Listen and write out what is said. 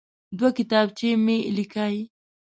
دوه کتابچې مه لیکئ.